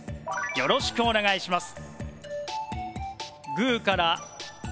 よろしくお願いします。